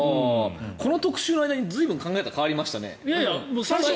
この特集の間に随分考え方が変わりましたね。